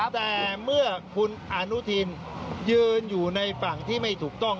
แต่เมื่อคุณอนุทินยืนอยู่ในฝั่งที่ไม่ถูกต้อง